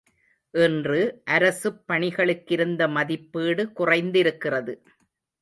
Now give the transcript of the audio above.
இன்று அரசுப் பணிகளுக்கிருந்த மதிப்பீடு குறைந்திருக்கிறது.